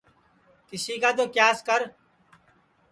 کِس کا تو کیاس کر